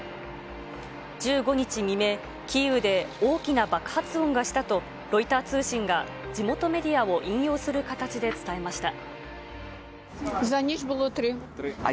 １５日未明、キーウで大きな爆発音がしたと、ロイター通信が地元メディアを引用する形で伝えました。